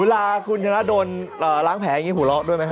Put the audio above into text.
เวลาคุณชนะโดนล้างแผลอย่างนี้หัวเราะด้วยไหมครับ